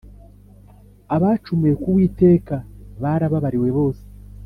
abacumuye ku uwiteka barababariwe bose